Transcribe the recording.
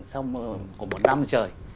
sau một năm trời